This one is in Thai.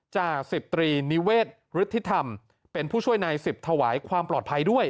จาก๑๐ตรีนิเวศฤทธิธรรมเป็นผู้ช่วยนายสิบถวายความปลอดภัยด้วย